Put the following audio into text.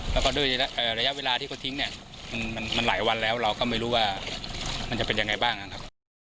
แล้วก็ด้วยระยะเวลาที่เขาทิ้งเนี่ยมันหลายวันแล้วเราก็ไม่รู้ว่ามันจะเป็นยังไงบ้างนะครับ